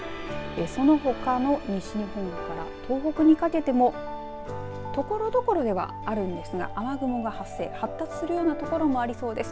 そのほかの西日本から東北にかけてもところどころではあるんですが雨雲が発生発達するようなところもありそうです。